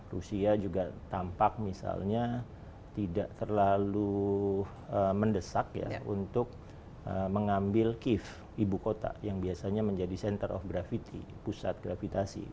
rusia juga tampak misalnya tidak terlalu mendesak ya untuk mengambil kiev ibu kota yang biasanya menjadi center of gravity pusat gravitasi